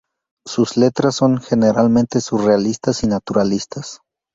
Sus letras son generalmente surrealistas y naturalistas.